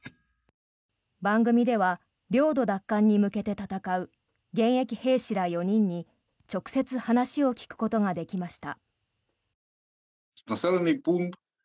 番組では領土奪還に向けて戦う現役兵士ら４人に直接話を聞くことができました。